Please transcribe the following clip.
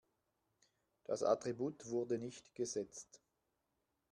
Das Attribut wurde nicht gesetzt.